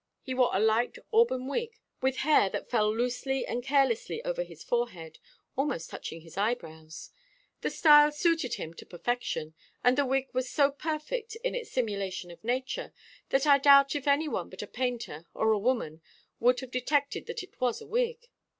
He wore a light auburn wig, with hair that fell loosely and carelessly over his forehead, almost touching his eyebrows. The style suited him to perfection, and the wig was so perfect in its simulation of nature, that I doubt if any one but a painter or a woman would have detected that it was a wig.